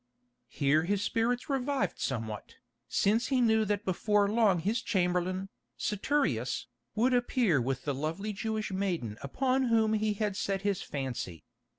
Here his spirits revived somewhat, since he knew that before long his chamberlain, Saturius, would appear with the lovely Jewish maiden upon whom he had set his fancy.